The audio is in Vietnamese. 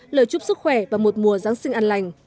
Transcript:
lời chúc sức khỏe và một mùa giáng sinh an lành